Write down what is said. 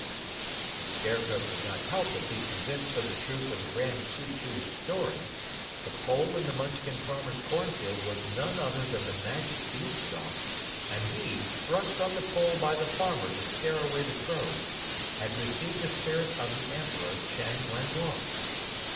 The Scarecrow could not help but be convinced of the truth of the Grand Chew Chew's story. The pole in the Munchkin farmer's cornfield was none other than the magic beanstalk, and he, thrust on the pole by the farmer to scare away the crows, had received the spirit of the Emperor Chang Wang Woe.